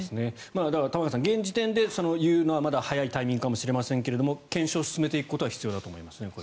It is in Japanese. だから玉川さん現時点で言うのはまだ早いタイミングかもしれませんが検証を進めていくことは必要だと思いますね。